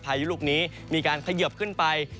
พายุลูกนี้มีการเขยิบขึ้นไป